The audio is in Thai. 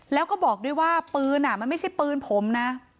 แล้วก็บอกด้วยว่าปืนมันไม่ใช่ปืนผมนะ